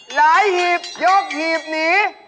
หลายหีบยกหีบหนี